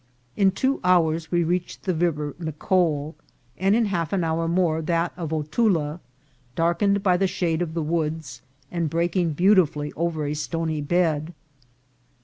In two hours we reached the River Micol, and in half an hour more that of Otula, darkened by the shade of the woods, and breaking beautifully over a stony bed.